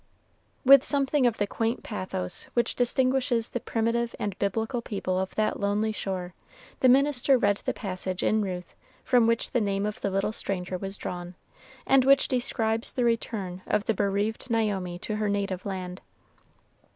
With something of the quaint pathos which distinguishes the primitive and Biblical people of that lonely shore, the minister read the passage in Ruth from which the name of the little stranger was drawn, and which describes the return of the bereaved Naomi to her native land.